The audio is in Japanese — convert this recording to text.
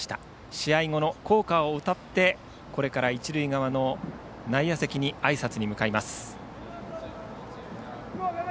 試合後の校歌を歌ってこれから一塁側の内野席に、あいさつに向かいます。